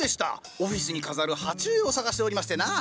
オフィスに飾る鉢植えを探しておりましてな。